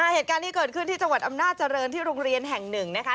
เหตุการณ์ที่เกิดขึ้นที่จังหวัดอำนาจริงที่โรงเรียนแห่งหนึ่งนะคะ